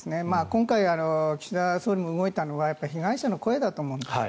今回、岸田総理が動いたのは被害者の声だと思うんです。